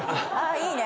いいね。